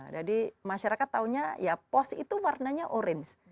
jadi masyarakat taunya ya pos itu warnanya orange